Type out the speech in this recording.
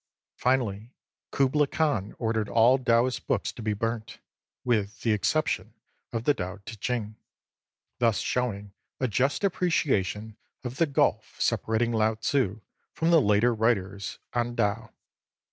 Finally, Kublai Khan ordered all Taoist books to be burnt, with the exception of the Tao Ti Ching, thus showing a just appreciation of the gulf separating Lao Tzu from the later writers on Tao.